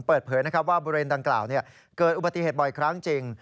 เปิดเผยว่าบูรณ์ดังกล่าวเกิดอุบัติเหตุบ่อยครั้งจริง